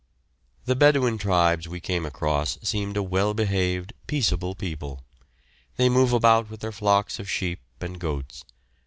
The Bedouin tribes we came across seemed a well behaved, peaceable people. They move about with their flocks of sheep and goats.